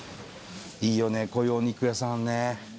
いいよねこういうお肉屋さんね。